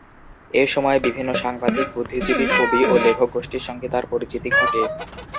এই সময়ে বিভিন্ন সাংবাদিক, বুদ্ধিজীবী, কবি ও লেখক গোষ্ঠীর সঙ্গে তার পরিচিতি ঘটে।